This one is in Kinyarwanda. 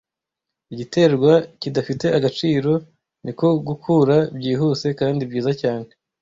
Igiterwa kidafite agaciro, niko gukura byihuse kandi byiza cyane.